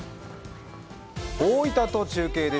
大分と中継です。